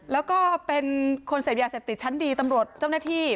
แล้วก็เป็นคนเสพยาเสพติดชั้นดีตำรวจเจ้าหน้าที่